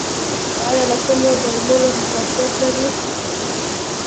ایا له کومو درملو حساسیت لرئ؟